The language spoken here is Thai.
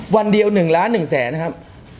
วันเดียวหนึ่งล้านหนึ่งแสนนะครับ